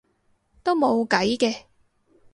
都冇計嘅